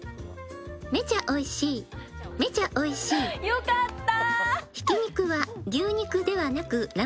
よかった！